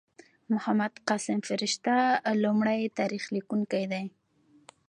محمد قاسم فرشته لومړی تاریخ لیکونکی دﺉ.